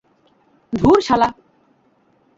ধুর, শালা।